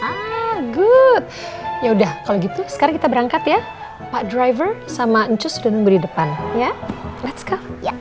ah good yaudah kalau gitu sekarang kita berangkat ya pak driver sama ncus udah nunggu di depan ya let's go